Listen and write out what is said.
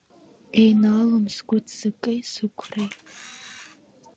Еинаалом сгәы ццаки сықәреи.